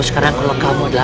sekarang kalau kamu adalah